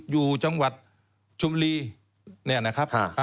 อยู่จังหวัดชุมลีแน่นะครับ